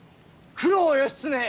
九郎義経